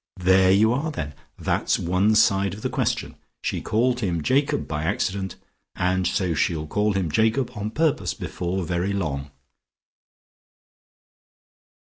There you are then! That's one side of the question. She called him Jacob by accident and so she'll call him Jacob on purpose before very long."